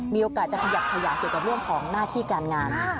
มีโอกาสจะขยับขยายเกี่ยวกับเรื่องของหน้าที่การงาน